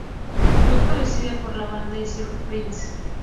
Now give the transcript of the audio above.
Fue producida por la banda y Stuart Price.